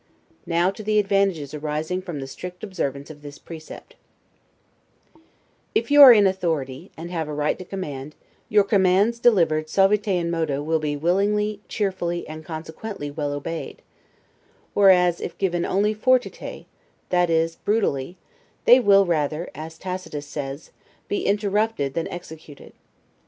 Now to the advantages arising from the strict observance of this precept: If you are in authority, and have a right to command, your commands delivered 'suaviter in modo' will be willingly, cheerfully, and consequently well obeyed; whereas, if given only 'fortiter', that is brutally, they will rather, as Tacitus says, be interrupted than executed.